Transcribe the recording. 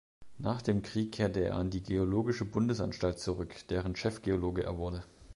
Nach dem Krieg kehrte er an die Geologische Bundesanstalt zurück, deren Chefgeologe er wurde.